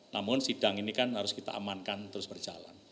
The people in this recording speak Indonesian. namun sidang ini kan harus kita amankan terus berjalan